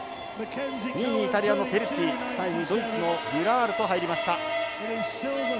２位にイタリアのテルツィ３位にドイツのグラールと入りました。